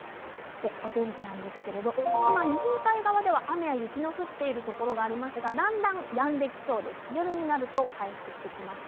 お天気なんですが日本海側では雨や雪の降っているところがありますがだんだんやんできそうですし夜になると回復していきます。